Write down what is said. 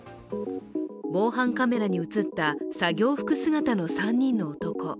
防犯カメラに映った作業服姿の３人の男。